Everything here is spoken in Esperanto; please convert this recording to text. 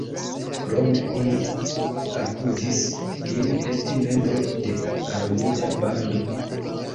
Krome oni akuzis lin esti membro de "armita bando".